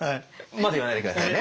まだ言わないで下さいね。